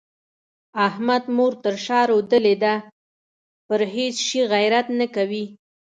احمد مور تر شا رودلې ده؛ پر هيڅ شي غيرت نه کوي.